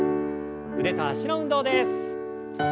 腕と脚の運動です。